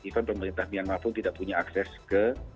even pemerintah myanmar pun tidak punya akses ke